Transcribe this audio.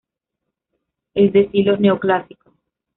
Es de estilo neoclásico.